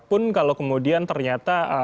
pun kalau kemudian ternyata